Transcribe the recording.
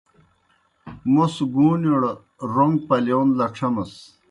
موْس گُوݨِیوڑ روݩگ پلِیون لڇھمَس۔